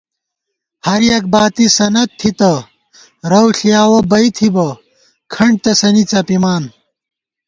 ہَریَک باتی سند تھِتہ، رَؤ ݪِیاوَہ بئ تھِبہ کھنٹ تسَنی څَپِمان